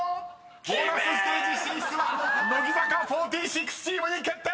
［ボーナスステージ進出は乃木坂４６チームに決定！］